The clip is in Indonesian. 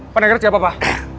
pandegas siapa pak